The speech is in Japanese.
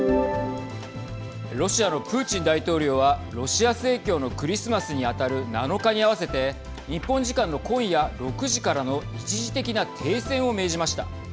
ロシアのプーチン大統領はロシア正教のクリスマスに当たる７日に合わせて日本時間の今夜６時からの一時的な停戦を命じました。